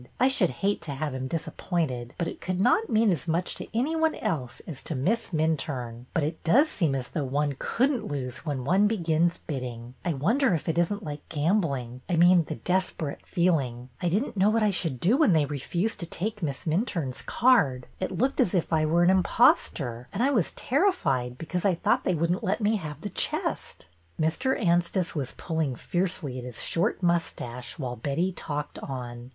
I should hate to have him disappointed, but it could not mean as much to any one else as to Miss Minturne. But it does seem as though one could n't lose when one begins bidding. I wonder if it is n't like gambling, — I mean the desperate feeling. I didn't know what I should do when they refused to take Miss Minturne's card. It looked as if I were an impostor, and I was ter rified because I thought they would n't let me have the chest." ( Mr. Anstice was pulling fiercely at his short mustache while Betty talked on.